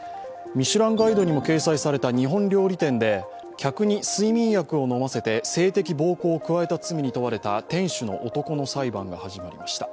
「ミシュランガイド」にも掲載された日本料理店で客に睡眠薬を飲ませて性的暴行を加えた罪に問われた店主の裁判が始まりました。